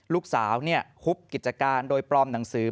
ลูกสาวฮุบกิจการโดยปลอมหนังสือ